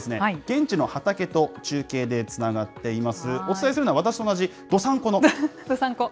けさは、現地の畑と中継でつながっています。